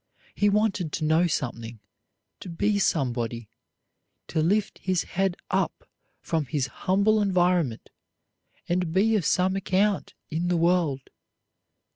He wanted to know something, to be somebody, to lift his head up from his humble environment and be of some account in the world.